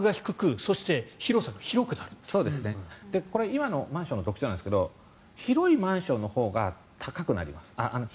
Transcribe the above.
今のマンションの特徴なんですが広いマンションのほうが高くなります。